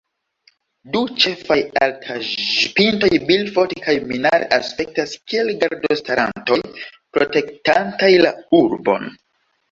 Du ĉefaj altaĵpintoj Bilfot kaj Minard aspektas kiel gardostarantoj, protektantaj la urbon.